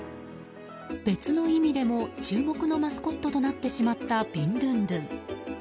別の意味でも注目のマスコットとなってしまったビンドゥンドゥン。